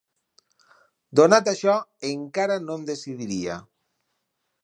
Donat això, encara no em decidiria.